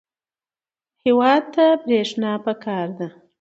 هېواد ته برېښنا پکار ده